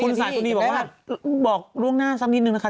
คุณสาธุนีบอกว่าบอกล่วงหน้าสักนิดนึงนะคะ